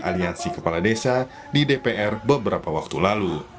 aliansi kepala desa di dpr beberapa waktu lalu